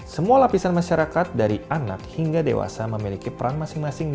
semua lapisan masyarakat dari anak hingga dewasa memiliki peran masing masing